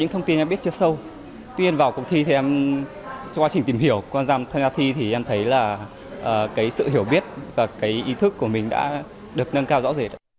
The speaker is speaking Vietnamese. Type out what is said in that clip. những thông tin em biết chưa sâu tuyên vào cuộc thi thì em trong quá trình tìm hiểu qua thi thì em thấy là sự hiểu biết và cái ý thức của mình đã được nâng cao rõ rệt